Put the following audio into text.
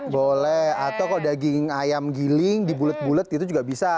boleh atau kalau daging ayam giling di bulet bulet itu juga bisa